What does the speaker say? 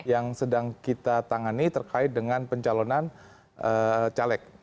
yang sedang kita tangani terkait dengan pencalonan caleg